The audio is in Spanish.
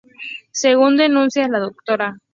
Según denuncias, la Dra.